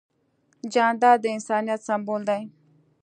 جانداد د انسانیت سمبول دی.